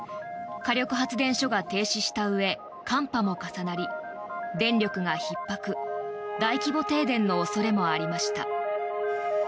火力発電所が停止したうえ寒波も重なり電力がひっ迫大規模停電の恐れもありました。